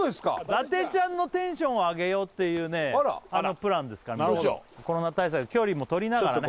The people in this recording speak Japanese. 伊達ちゃんのテンションを上げようっていうねプランですからあらコロナ対策距離もとりながらね